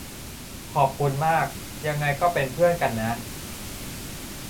ขอบคุณมาก ยังไงก็เป็นเพื่อนกันนะ